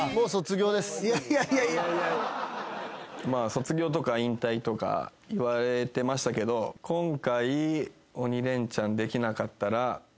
卒業とか引退とか言われてましたけど今回。